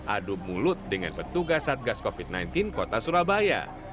adu mulut dengan petugas satgas covid sembilan belas kota surabaya